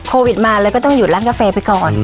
โควิดมาเลยก็ต้องหยุดร้านกาแฟไปก่อน